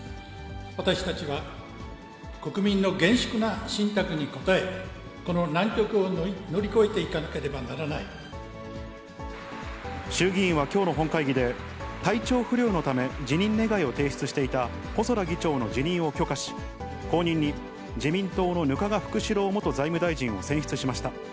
私たちは国民の厳粛な信託にこたえ、この難局を乗り越えていかな衆議院はきょうの本会議で、体調不良のため、辞任願を提出していた細田議長の辞任を許可し、後任に自民党の額賀福志郎元財務大臣を選出しました。